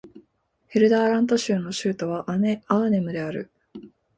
ヘルダーラント州の州都はアーネムである